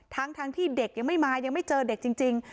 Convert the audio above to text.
ทั้งที่เด็กยังไม่มายังไม่เจอเด็กจริง